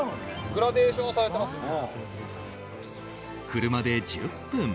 車で１０分。